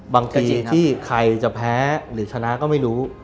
บางทีที่ใครจะแพ้หรือชนะก็ไม่รู้